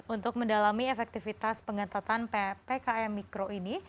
untuk mendalami efektivitas pengetatan ppkm mikro ini